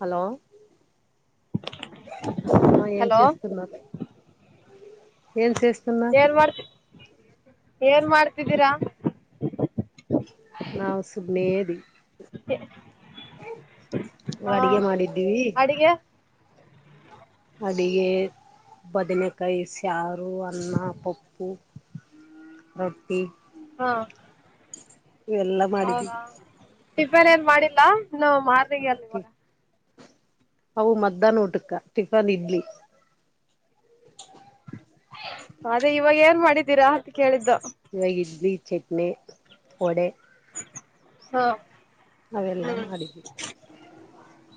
Hello ನಿಮ್ಮ hello ಏನ್್ಸ್ನ ಏನ್ ಸೇರ್ ಏನ್ ಮಾಡ್ತಿ ಏನ್ ಮಾಡ್ತಿದ್ದೀರಾ ನಾವು ಸು್ಮೇರಿ ಹ ಅಡಗೆ ಮಾಡಿದ್ದೀವಿ ಅಡಿಗೆ ಅಡಿಗೆ ಬದನೆಕಾಯಿ ಸಾರು ಅನ್ನ ಪಪ್ಪು ರತ್ತಿ ಹಾ ಇವೆಲ್ಲಾ ಮಾಡಿದೀವಿ ಹೌದಾ ಟಿಫನ್ ಏನ್ ಮಾಡಿಲ್ಲಾ ಇನ್ನು ಮಾರ್ನಿಂಗ್ ಅಲ್ಲಿ ಇವಾಗ ಅವು ಮದ್ದನ್ ಊಟಕ್ಕ ಟಿಫನ್ ಇಡ್ಲಿ ಅದೇ ಇವಾಗ ಏನ್ ಮಾಡಿದ್ದೀರಾ ಅಂತ ಕೇಳಿ ಇವಾಗ ಇಡ್ಲಿ ಚಟ್ನಿ ವಡೆ. ಹಾ. ಅವೆಲ್ಲ ಹ್ಮ್ ಮಾಡಿದ್ವಿ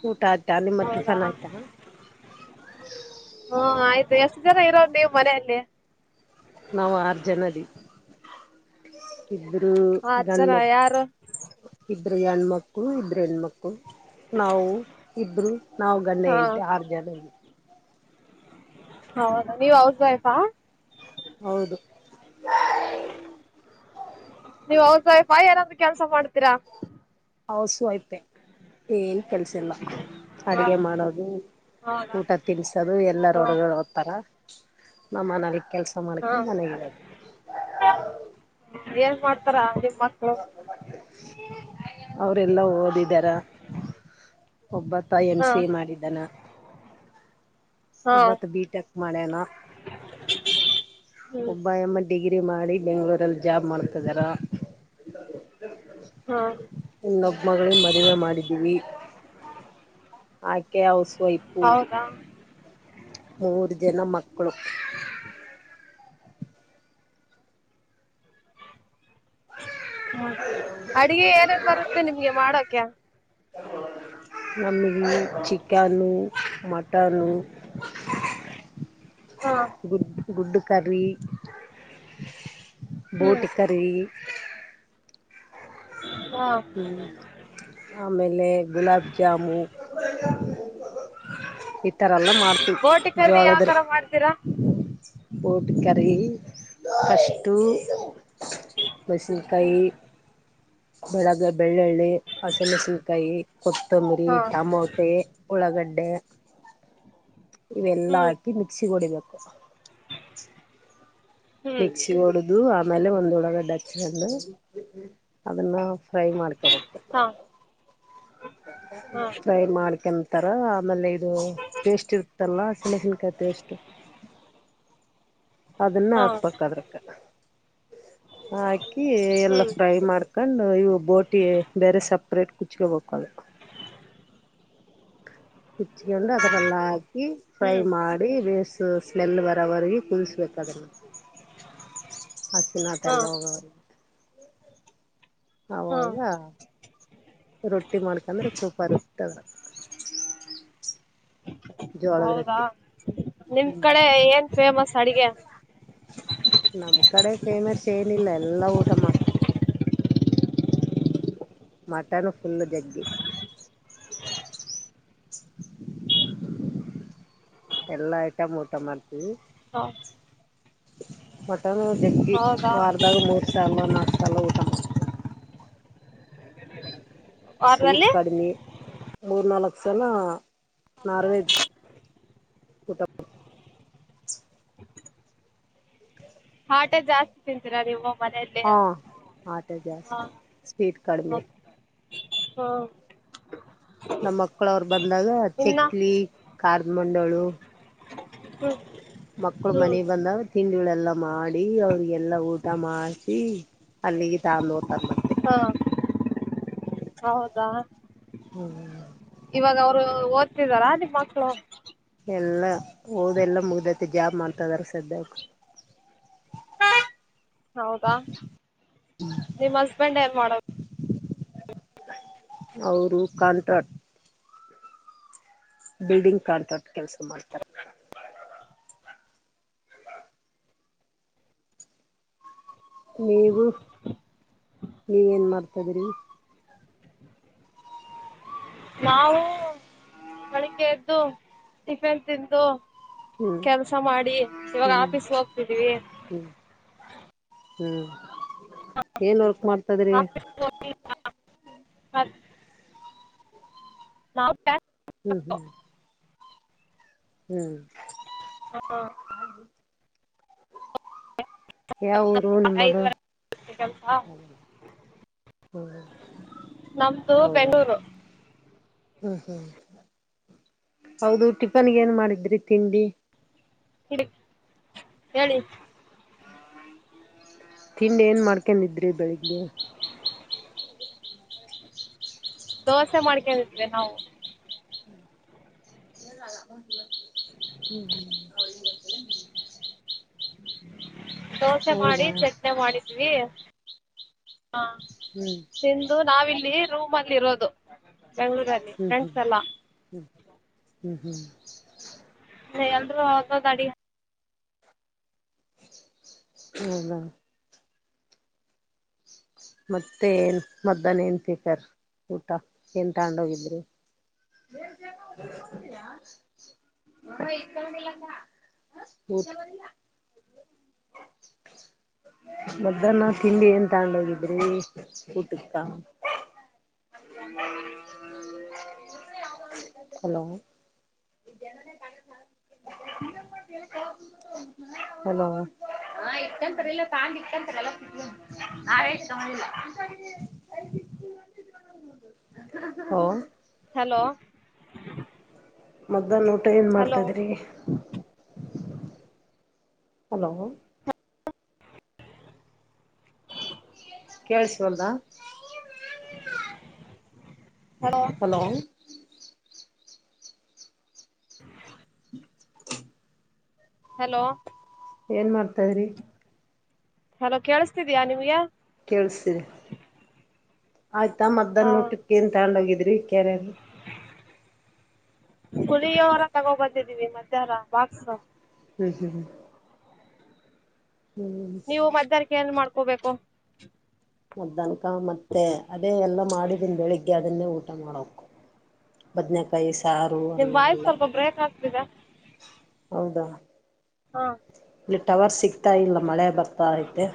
ಊಟ ಆದ ನಿಮ್ಮ ಹೌದಾ ಟಿಫನ್ ಆಯ್ತಾ! ಹ್ಮ ಆಯ್ತು ಎಷ್ಟು ಜನ ಇರೋ ನೀ ಮನೆಯಲ್ಲಿ ನಾವ್ ಆರ್ ಜನ ಇಬ್ರು ಹತ್ ಜನ ಗಂಡ್ಮಕ್ಳು ಯಾರು ಇಬ್ಬರು ಹೆಂಡ್ಮಕ್ಕಳು ಇಬ್ರು ಹೆಣ್ಮಕ್ಳು. ನಾವು ಇಬ್ರು ನಾವ್ ಹಾ ಗಂಡ ಆರು ಜನ. ಹೌದ ನೀವ್ ಹೌದು. ನೀವ್ ಹ--ಫ ಏನಂದು ಕೆಲ್ಸ ಮಾಡ್ತೀರಾ? ಹಸು ಆಯ್ತೆ ಏನ್ ಕೆಲ್ಸಿಲ್ಲ. ಅಡಗೆ ಮಾಡೋದು ಹೌದಾ ಊಟ ತಿನ್ಸೋದು ಎಲ್ಲರ ಒಡಗಡೆ ದ್ತಾರ ನಮ್ಮ ಕೆಲಸ ಹ ಹಾ ಮಾಡ್ತ ನನಗೆ ಏನ್ ಮಾಡ್ತಾರ ನಿಮ್ಮ ಮಕ್ಳು. ಅವ್ರೆಲ್ಲಾ ಓದಿದಾರ. ಒಬ್ಬತ್ತ ಎಮ್ ಹಾ ಸಿ ಎ ಮಾಡಿದ್ದಾನ. ಹಾ ಬಿಟೆಕ್ ಮ--ನ [inaudible] [unintelligible] ಒಬ್ಬ ಡಿಗ್ರಿ ಮಾಡಿ ಬೆಂಗ್ಳೂರಲ್ಲಿ ಜಾಬ್ ಮಾಡ್ತಿದಾರ. ಹಾ ಇನ್ನೊಬ್ ಮಗಳಿಗೆ ಮದುವೆ ಮಾಡಿದ್ದೀವಿ. ಆಕೆ ಹ ಹೌದಾ! ಮೂರು ಜನ ಮಕ್ಕಳು. ಅಡಗೆ ಏನ ಬರುತ್ತೆ ನಿಮ್ಗೆ ಮಾ ನಮಗೆ ಚಿಕನ್ನು ಮಟನು. ಹಾ ಗುಡ್ಡು ಕರಿ ಹ್ಮ್ ಬೋಟ್ ಕರಿ ಹಾ ಆಮೇಲೆ ಗುಲಾಬ್ ಜಾಮು ಈತರ ಎಲ್ಲ ಮಾಡ್ತೀವಿ ಬೋಟಿ ಕರ್ರಿ ಜೋಳ ಯಾವ ತರ ಮಾಡ್ತೀರಾ ಬೋಟ್ ಕರಿ ಫ ಬ ಕಾಯಿ ಬೆಳಗ್ಗೆ ಬೆಳ್ಳುಳ್ಳಿ ಹಸಿ ನ್ಕಾಯಿ ಕೊತ್ತಂಬರಿ ಹಾ ಟಮೊಟೆ. ಉಳಗಡ್ಡೆ. ಇವೆಲ್ಲಾ ಹ್ಮ್ ಹಾಕಿ ಮಿಕ್ಸಿ ಹೊಡಿಬೇಕು ಹ್ಮ್ ಮಿಕ್ಸಿ ಹೊಡದು ಆಮೇಲೆ ಹಚ್ಕೊಂಡು ಅದನ್ನ. ಫ್ರೈ ಮಾಡ್ಕ ಹಾ ಹಾ ಫ್ರೈ ಮಾಡ್ಕ. ಇತರ ಆಮೇಲೆ ಇದು ಟೇಸ್ಟ್ ಇರ್ತ್ತಲ್ಲ ಸಣ್ಣೆ ನ್ಕಾಯಿ ಟೇಸ್ಟ್ ಅದನ್ನ ಹಾ ಹಾಕ್ಬೇಕ ಹಾಕಿ ಎಲ್ಲ ಹ್ಮ್ ಫ್ರೈ ಮಾಡ್ಕೊಂಡು ಇವು ಬೋಟಿ ಬೇರೆ ಸಪ್ರೇಟ್ ಕುಚ್ಕೋಬೇಕ ಅದು. ಹಚ್ಕೊಂಡು ಅದ್ರಲ್ಲ ಹಾಕಿ ಫ್ರೈ ಹ್ಮ್ ಮಾಡಿ ಬೇಸ್ ಸ್ಮೆಲ್ ಬರವರ್ಗ ಕೂದಿಸ್ಬೇಕ ಹ--ನಟ ಹಾ ಎಲ್ಲ ಹೋಗ. ಹಾ ಹಾ--ರೊಟ್ಟಿ ಮಾಡ್ಕಂದ್ರೆ ಚೂಪರು ಜೋಳದ ಹೌದಾ ರೊಟ್ಟಿ ನಿಮ ಕಡೆ ಏನ್ ಫೇಮಸ್ ಅಡಗೆ. ನಮ್ ಕಡೆ ಫೇಮಸ್ ಏನಿಲ್ಲ ಎಲ್ಲಾ ಊಟ ಮಾಡ್ತೀವಿ. ಮಟನು ಫುಲ್ ಜಗ್ಗಿ. ಎಲ್ಲ ಊಟ ಮಾಡ್ತೀವಿ. ಹಾ. ಮಟ್ಟಾನ ಹೌದಾ ವಾರದಾಗ ಮೂರ್ ಸಾಲ ನಾಲ್ಕು ಸಾಲ ಊಟ ಮಾಡ ಸ್ವೀಟ್ ಅದ್ರಲ್ಲಿ ಕಡಿಮೆ ಮೂರ್ನಾಾಲ್ಕು ಜನ ನಾರ್ವೆಜ್ ಊಟ ಹ ಆಟೆ ಜಾಸ್ತಿ ತಿಂತೀರಾ ನೀವು ಮನೆಯಲ್ಲಿ ಹಾ ಆಟ ಹ ಜಾಸ್ತಿ ಸ್ಪೀಡ್ ಕಡಿಮೆ ಹ್ಮ ನಮ್ಮ ಮಕ್ಳ ಅವರು ಬಂದಾಗ ಚಕ್ಲಿ ಕಾರ್ದ ಮಂಡಳು ಹ ಮಕ್ಕಳ ಮನೆಗೆ ಬಂದಾಗ ತಿಂಡಿಳ ಎಲ್ಲ ಮಾಡಿ ಅವ್ರಿಗೆಲ್ಲ ಊಟ ಮಾಡಸಿ ಅಲ್ಲಿಗೆ ತಂದುೋತಾರ ಮತ್ತ ಹಾ ಹೌದಾ ಹ್ಮ ಇವಾಗ ಅವ್ರು ಓದ್ತಿದಾರ ಅದಿ ಮಕ್ಳು ಎಲ್ಲ ಹೋದೆಲ್ಲ ಮುಗ್ದೈತಿ ಜಾಮ್ ಅಂತದ್ರ ಸದ್ಯಕ ಹೌದಾ ನಿಮ್ ಹಸ್ಬೆಂಡ್ ಏನ್ ಮಾಡದು ಅವರು ಕಾಂತಟ್ ಬಿಲ್ಡಿಂಗ್ ಕಾಣ್ತ ಕೆಲ್ಸ ಮಾಡ್ತಾರೆ ನೀವು ನೀವ ೇನ್ ಮಾಡ್ತದ್ರಿ ನಾವು ಬೆಳಗ್ಗೆ ಎದ್ದು ಟಿಫಿನ್ ತಿಂದು ಹ್ಮ್ ಕೆಲ್ಸ ಮಾಡಿ ಇವಾಗ ಹ್ಮ್ ಆಫೀಸ್ ಹೋಗ್ತಿದೀವಿ ಹ್ಮ್ ಹ್ಮ್ ಏನ್ ವರ್ಕ್ ಮಾಡ್ತದ್ರಿ ಹತ್ತು ನಾವು ಹ್ಮ್ ಹ್ಮ್ ಹ್ಮ್ ಹಾ ಯಾವ ಊರು ನಿಮ್ಮದು ಐದುವರೆ ಕೆಲ್ಸ ಹ್ಮ ನಮ್ದು ಬೆಂ್ಗಳೂರು ಹ್ಮ್ ಹ್ಮ್ ಹೌದು ಟಿಫನ್ಗೆ ಏನ್ ಮಾಡಿದ್ರಿ ತಿಂಡಿ ಹಡ ಹೇಳಿ ತಿಂಡಿ ಏನ್ ಮಾಡ್ಕೊಂಡಿದ್ರಿ ಬೆಳಿಗ್ಗೆ ದೋಸೆ ಮಾಡ್ಕಿದ್ವಿ ನಾವು ಹ್ಮ್ ಹ್ಮ್ ದೋಸೆ ಮಾಡಿ ಹೌದಾ ಚಟ್ನಿ ಮಾಡಿದ್ವಿ ಹಾ ಹ್ಮ್ ತಿಂದು ನಾವಿಲ್ಲಿ ರೂಮ್ ಅಲ್ಲಿ ಇರೋದು ಬೆಂ್ಗಳೂರಲ್ಲಿ ಹ್ಮ್ ಹ್ಮ್ ಫ್ರೆಂಡ್ಸ್ ಎಲ್ಲ ಹ್ಮ್ ಹ್ಮ್ ಎಲ್ರೂ ಅಡಿ ಹೌದಾ ಮತ್ತೆ ಏನ್ ಮದ್ದಹನ ನ್ ಫರ್ ಊಟ ಏನ್ ತಗೊಂಡೋಗಿದ್ರು ಾ ಹ ಇಲ್ಲಲ್ಲ ಅ ಮಧ್ಯಾಹ್ನ ತಿಂಡಿ ಏನ್ ತಗೊಂಡು ಹೋಗಿದ್ರಿ ಊಟಕ್ಕ ಅ ಹಲೋ ಹ ಹಲೋ ಹಾ ಇತ್ತಂತರಿ ಇಲ್ಲ ತಾಂಡ ಇಟ್ಟಂತಾರೆ ಎಲ್ಲ ಆಷ್ಟ ತಗಿಲ್ಲ ಹ ಹ ಹಲೋ. ಮದ್ಯಾಹ್ನ ಊಟ ಏನ್ ಹಲೋ ಮಾಡ್ತಾದ್ರಿ. ಹಲೋ. ಕೆಳಸ ವಾಲ್ಡ. ಹಲೋ. ಹಲೋ. ಏನ್ ಮಾಡ್ತಾರಿ. ಹಲೋ ಕೇಳಿಸತಾ ಇದೀಯಾ ನಿಮಗೆ. ಕೇಳಸತ ಇದೇ ಆಯ್ತಾ ಹಾ ಮದ್ಯಾಹ್ನ ಊಟಕ್ಕೆ ಏನ ತೊಂಡೋಗಿದ್ರಿ ಕ್ಯಾರ. ಪುಳಿಯೋಗರೆ ತಗೊಂಡು ಬಂದಿದ್ದೀವಿ ಮದ್ಯಾಹ್ನ ಬಾಕ್ಸ. ಹ್ಮ್ ಹ್ಮ್ ಹ್ಮ. ಹ್ಮ್. ನೀವು ಮಧ್ಯಾಹ್ನಕ್ಕೆ ಏನ್ ಮಾಡ್ಕೋಬೇಕು. ಮದ್ಯಾಹ್ನ ಕ ಮತ್ತೆ ಅದೇ ಎಲ್ಲಾ ಮಾಡಿದನ ಬೆಳಿಗ್ಗೆ ಅದನ್ನೇ ಊಟ ಮಾಡಕ. ಬದನಕಾಯಿ ಸಾರು ನಿಮ್ ಅನ್ನ ವಾಯ್ಸ್ ಎಲ್ಲಾ. ಸ್ವಲ್ಪ ಬ್ರೇಕ್ ಆಗ್ತಿದೆ ಹೌದಾ. ಹ್ಮ್ಮ್. ಇ ಟವರ್ ಸಿಗ್ತಾ ಇಲ್ಲ ಮಳೆ ಬರ್ತಾ ಇದೆ.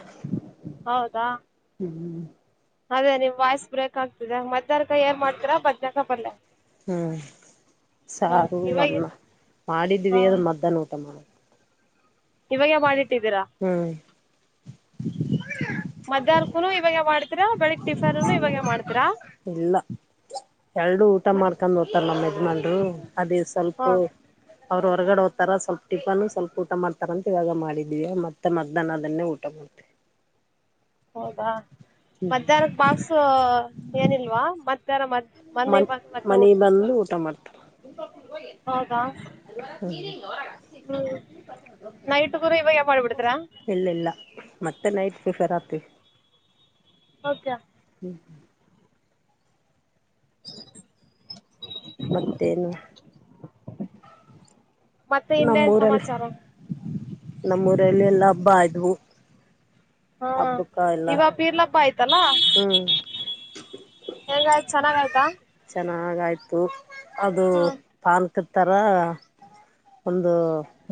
ಹೌದಾ ಅದೇ ನೀಮ್ಮ ವಾಯ್ಸ್ ಬ್ರೇಕ್ ಆಗ್ತಿದೆ ಮದ್ಯಾಹ್ನ ಕ ಏನ್ ಮಾಡ್ತೀರಿ ಬದನೇಕಾಯಿ ಪಲ್ಯ. ಹ್ಮ ಹ ಸಾರು ಇವಾಗ ಅನ್ನ ಹ ಮಾಡಿದ್ವಿ ಅದ ಮಧ್ಯಾಹ್ನ ಊಟ ಮಾಡ. ಇವಾಗೆ ಮಾಡಿಟ್ಟಿದ್ದೀರಾ. ಹ್ಮ್ [inaudible] ಮಧ್ಯಾಹ್ನ ಕೂನು ಇವಾಗ ಮಾಡ್ತೀರಾ ಬೆಳಿಗ್ ಟಿಫನ್ನು ಇವಾಗೆ ಮಾಡ್ತೀರಾ. ಇಲ್ಲ ಎರಡು ಊಟ ಮತ್ ಮಾಡಾಕೊಂಡು ಹೋಗ್ತಾರಾ ನಮ್ಮ ಯಜಮಾನರು ಅದೇ ಸ್ವಲ್ಪ. ಹ ಅವರು ಹೊರಗಡೆ ಹೋಗತಾರ ಸ್ವಲ್ಪ ಟಿಫನ್ ಸ್ವಲ್ಪ ಊಟ ಮಾಡ್ತಾರಂತ ಇವಾಗ ಮಾಡಿದ್ವಿ ಮತ್ತ ಮಧ್ಯಾಹ್ನ ಅದನ್ನೇ ಊಟ ಮಾಡ್ತೀವಿ. [inaudible] ಹೌದಾ ಹ್ಮ್ ಮಧ್ಯಾಹ್ನಕ್ ಬಾಕ್ಸ್ ಏನಿಲ್ವಾ ಮತ್ತ. ಮನ್ ಮನೆಗಿ ಬಂದು ಊಟ ಮಾಡ್ತಾರೆ. ಹ್ಮ ನೈಟ್ ದು ಇವ. ಇಲಿಲ್ ಮತ್ತೆ ನೈಟ್ ಪ್ರಿಪೇರ್ ಆಗಬೇಕು. ಹೌದ. ಹ್ಮ್ಮ. [inaudible] ಮತ್ತೇನು ಮತ್ತೆ ಇನ್ನೇನ್ ನಮ್ಮೂರಲ್ಲಿ ಸಮಾಚಾರ. ನಮ್ಮೂರಲ್ಲಿ ಎಲ್ಲಾ ಹಬ್ಬ ಆದ್ವು. ಹಾ ಹಬ್ಬಕ್ಕ ಎಲ್ಲ ಇವಗ ಪೀರ್ಲಪ್ಪ ಆಯ್ತಲ್ಲ ಹ್ಮ್ ಹೆಂಗ್ತ. ಚೆನ್ನಾಗ ಆಯ್ತಾ. ಚೆನ್ನಾಗಯ್ತು ಅದು ಹಾ ಪಾನಕ ತರ. ಒಂದು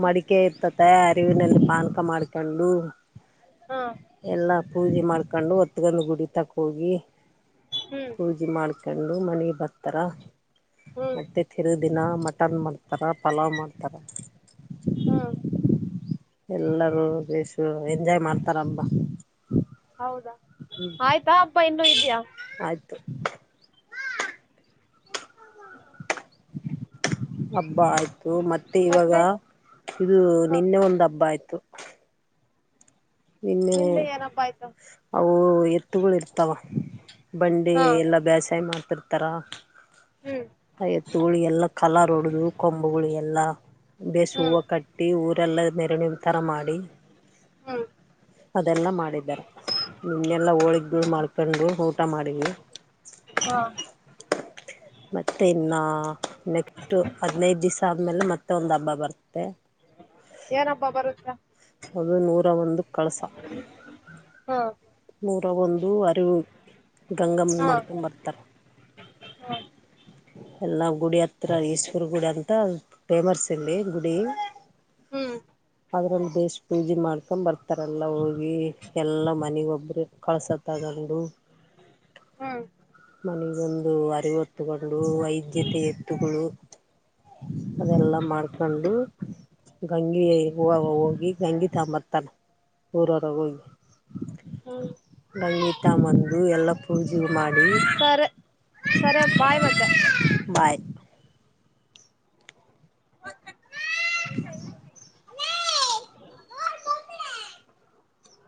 ಮಡಿಕೆ ಇರ್ತತೆ ಅರಿವಿನಲ್ಲಿ ಪಾನಕ ಮಾಡ್ಕೊಂಡು. ಹಾ ಎಲ್ಲ ಪೂಜೆ ಮಾಡ್ಕೊಂಡು ಹೊತ್ಕೊಂಡು ಗುಡಿ ತನಕ ಹೋಗಿ. ಹ್ಮ್ ಪೂಜೆ ಮಾಡ್ಕೊಂಡು ಮನೆಗೆ ಬತ್ತರ ಹ್ಮ್ ಮತ್ತೆ ತಿರುದ. ದಿನ ಮಟನ್ ಮಾಡ್ತಾರೆ ಪಲಾವ್ ಮಾಡ್ತಾರೆ. ಹ್ಮ್ ಎಲ್ಲರೂ ಬೇಶ ಎಂಜಾಯ್ ಮಾಡ್ತಾರ ಹಬ್ಬ. ಹೌದಾ ಆಯ್ತಾ ಹಬ್ಬ ಇನ್ನುೂ ಇದ್ಯಾ. [unintelligible] [inaudible] ಹಬ್ಬ ಆಯ್ತು ಮತ್ತೆ ಇವಾಗ ಇದು ಹ ನಿನ್ನೆ ಒಂದ ಹಬ್ಬ ಆಯ್ತು. [inaudible] ನಿನ್ನೆ ನಿಂದೆ ಏನಪ್ಪ ಆಯ್ತು ಅವು ಎತ್ತುಗಳು ಇರ್ತಾವ. ಬಂಡಿ ಹಾ ಎಲ್ಲಾ ಬೇಸಾಯ ಮಾಡ್ತಿರ್ತಾರ. ಹ್ಮ್ ಆ ಎತ್ತುಗಳಿ ಎಲ್ಲಾ ಕಲ ರ ಹೊಡ್ದದು ಕೊಂಬು ಎಲ್ಲಾ ಬೇಸ್ ಹ್ಮ್ ಹೂವು ಕಟ್ಟಿ ಊರ್ ಏಲ್ಲ ಮೆರಣಿ ತರ ಮಾಡಿ ಹ್ಮ ಅದೆಲ್ಲ ಮಾಡಿದ್ದಾರೆ ನಿನ್ನೆಲ್ಲಾ ಹೋಳಗ್ ಮರ್ಕೊಂಡು ಊಟ ಮಾಡ್ವಿ ಹಾ ಮತ್ತೆ ಇನ್ನ ನೆಕ್ಸ್ಟ್ ಹದನೈದ ದಿವಸ ಆದ್ಮೇಲೆ ಮತ್ತೆ ಒಂದ್ ಹಬ್ಬ ಬರ್ತ್ತೆ ಏನಬ್ಬ ಬರುತ್ತಾ ಅದು ನೂರ ಒಂದು ಕಳಸ ಹಾ [unintelligible] ಅರಿವು ಗಂಗಮ್ಮನ ಹಾ ಮಾಡ್ಕೊಂಡ್ ಬರ್ತಾರ ಎಲ್ಲಾ ಗುಡಿ ಹತ್ರ ಈಶ್ವವರ್ ಗುಡಿ ಅಂತ ಫೇಮಸ್ ಇಲ್ಲಿ ಗುಡಿ ಹ್ಮ್ ಅದ್ರಲ್ಲಿ ದೇಶ ಪೂಜೆ ಮಾಡ್ಕೊಂಡ್ ಬರ್ತ ಆಥರ ಎಲ್ಲ ಹೋಗಿ ಎಲ್ಲ ಮನಗೊ ಒಬ್ಬರು ಕಳ್ಸ ತಗೊಂಡು ಹ್ಮ್ ಮನಗೊಂದು ಅರಿವು ತಗೊಂಡು ವೈದ್ಯತೆ ಎತ್ತುಗಳು ಪೂನಾ ಅದೆಲ್ಲ ಮಾಡ್ಕೊಂಡು ಗಂಗೆ ಹ ಹೋಗಿ ಗಂಗಿ ತಂಬರ್ತಾನ ಊರವರಗೆ ಹೋಗಿ ಹ್ಮ [unintelligible] ಬಂದು ಎಲ್ಲಾ ಪೂಜೆ ಮಾಡಿ ಸರಿ ಸರಿ ಬಾಯ್ ಮತ್ತೆ ಬಾಯಿ ಹೇ